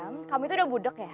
dam kamu itu udah budok ya